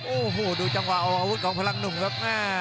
โอ้โหดูจังหวะออกอาวุธของพลังหนุ่มครับ